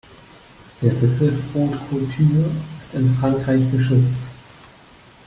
Der Begriff "Haute Couture" ist in Frankreich geschützt.